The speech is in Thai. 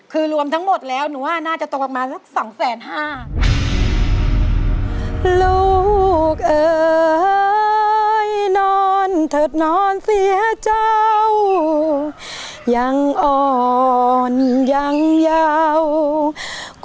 คือรวมทั้งหมดแล้วหนูว่าน่าจะตกออกมาสัก๒๕๐๐๐๐บาท